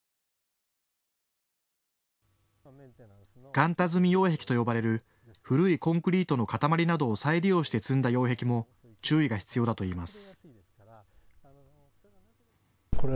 ガンタ積擁壁と呼ばれる古いコンクリートの塊などを再利用して積んだ擁壁も注意が必要だといいます。